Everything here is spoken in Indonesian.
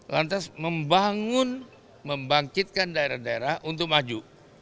lantas membangun membangkitkan daerah daerah untuk maju